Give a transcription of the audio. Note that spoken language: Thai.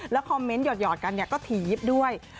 คอมเมนต์หยอดกันก็ถี่ยิบด้วย